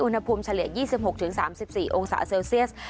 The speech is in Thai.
อุณหภูมิเฉลี่ย๒๖ถึง๓๔องศาเซลเซียส